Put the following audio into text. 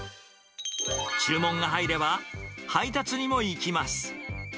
注文が入れば、配達にも行きます。